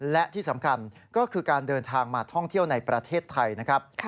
และที่สำคัญก็คือการเดินทางมาท่องเที่ยวในประเทศไทยนะครับ